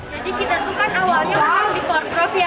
jadi kita tuh kan awalnya di sport prof ya